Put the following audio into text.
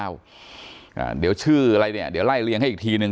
อ่าเดี๋ยวชื่ออะไรเนี่ยเดี๋ยวไล่เลี้ยให้อีกทีนึง